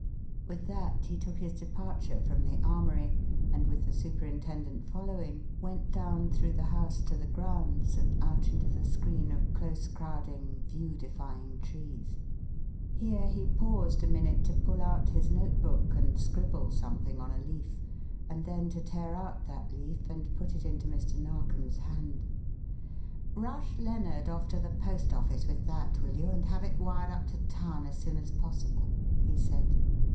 With that he took his departure from the armoury and, with the superintendent following, went down through the house to the grounds and out into the screen of close crowding, view defying trees. Here he paused a minute to pull out his notebook and scribble something on a leaf, and then to tear out that leaf and put it into Mr. Narkom's hand. "Rush Lennard off to the post office with that, will you? and have it wired up to town as soon as possible," he said.